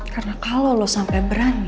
karena kalau kamu berani